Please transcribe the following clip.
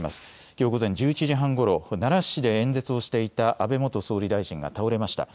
きょう午前１１時半ごろ、奈良市で演説をしていた安倍元総理大臣が倒れました。